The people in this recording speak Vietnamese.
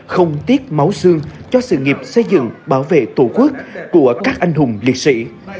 không tiếc máu xương cho sự nghiệp xây dựng bảo vệ tổ quốc của các anh hùng liệt sĩ